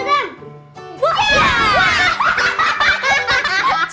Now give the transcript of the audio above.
ah ga seru ah